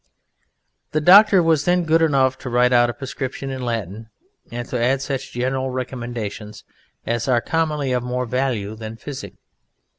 The doctor was then good enough to write out a prescription in Latin and to add such general recommendations as are commonly of more value than physic.